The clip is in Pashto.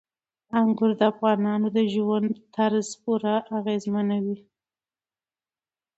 انګور د افغانانو د ژوند طرز پوره اغېزمنوي.